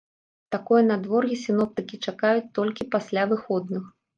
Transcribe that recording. Такое надвор'е сіноптыкі чакаюць толькі пасля выходных.